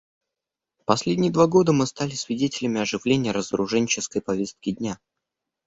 В последние два года мы стали свидетелями оживления разоруженческой повестки дня.